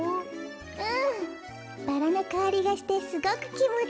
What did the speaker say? うんバラのかおりがしてすごくきもちいい。